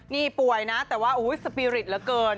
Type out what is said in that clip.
นี่ป่วยนะแต่ว่าสปีริตเหลือเกิน